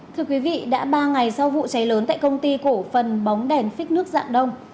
thưa quý vị đã ba ngày sau vụ cháy lớn tại công ty cổ phần bóng đèn phích nước dạng đông